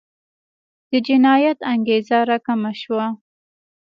د جنایت انګېزه راکمه شي.